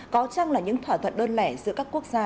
có chăng là những thỏa thuận đơn lẻ giữa các quốc gia